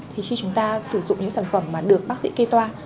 thì khi chúng ta sử dụng những sản phẩm mà được bác sĩ kê toa